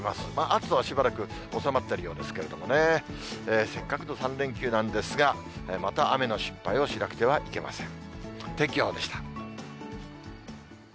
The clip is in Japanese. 暑さはしばらく収まってるようなんですけれどもね、せっかくの３連休なんですが、また雨の心配をしなくてはいけません。